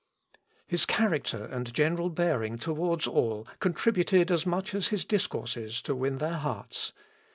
His character and general bearing towards all contributed as much as his discourses to win their hearts.